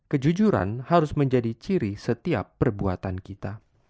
kejujuran harus menjadi ciri setiap perbuatan kita